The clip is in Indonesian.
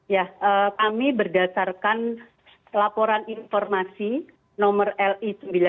ya kami berdasarkan laporan informasi nomor li sembilan belas